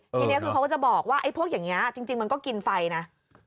ทีนี้คือเขาก็จะบอกว่าไอ้พวกอย่างนี้จริงมันก็กินไฟนะ